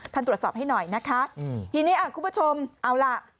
ท่านตรวจสอบให้หน่อยนะคะอืมทีนี้อ่ะคุณผู้ชมเอาล่ะ